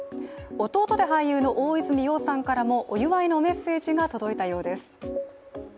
弟で俳優の大泉洋さんからもお祝いのメッセージが届いたようです。